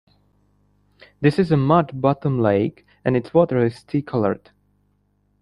This is a mud bottom lake and its water is tea coloured.